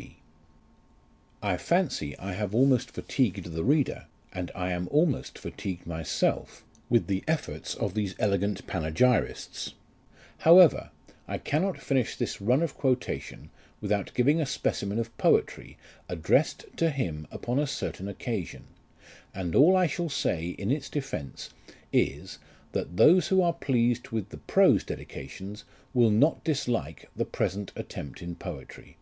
G." I fancy I have almost fatigued the reader, and I am almost fatigued myself, with the efforts of these elegant panegyrists ; however, I cannot finish this run of quotation, without giving a specimen of poetry, addressed to him upon a certain occasion ; and all I shall say in its defence is, that those who are pleased with the prose dedications will not dislike the present attempt in poetry.